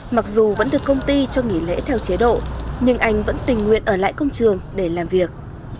mặc dù vẫn được công ty cho nghỉ lễ theo chế độ nhưng anh vẫn tình nguyện ở lại công trường để làm việc